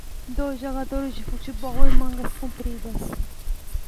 dois jogadores de futebol em mangas compridas